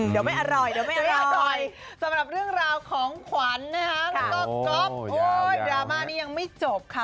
เดี๋ยวไม่อร่อยสำหรับเรื่องราวของขวัญนะครับก็ก๊อปโอ้ยดรามานี้ยังไม่จบค่ะ